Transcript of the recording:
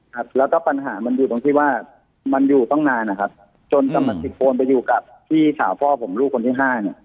ครับแล้วก็ปัญหามันอยู่ตรงที่ว่ามันอยู่ตั้งนานนะครับจนกรรมสิบโคนไปอยู่กับพี่สาวพ่อผมลูกคนที่ห้าเนี่ย